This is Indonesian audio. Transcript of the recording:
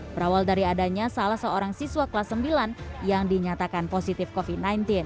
berawal dari adanya salah seorang siswa kelas sembilan yang dinyatakan positif covid sembilan belas